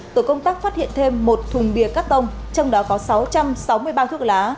tổ công tác phát hiện thêm một thùng bia cắt tông trong đó có sáu trăm sáu mươi bao thuốc lá